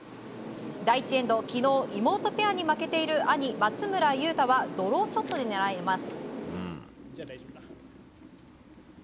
第１エンド、昨日妹ペアに負けている兄・松村雄太はドローショットで狙います。